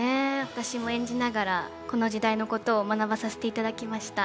私も演じながらこの時代のことを学ばさせて頂きました。